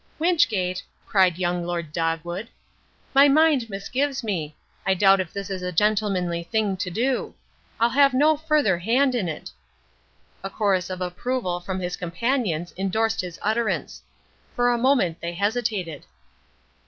"Wynchgate," cried young Lord Dogwood, "my mind misgives me. I doubt if this is a gentlemanly thing to do. I'll have no further hand in it." A chorus of approval from his companions endorsed his utterance. For a moment they hesitated.